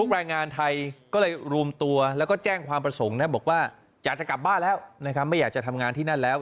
แรงงานไทยก็เลยรวมตัวแล้วก็แจ้งความประสงค์บอกว่าอยากจะกลับบ้านแล้วนะครับไม่อยากจะทำงานที่นั่นแล้ว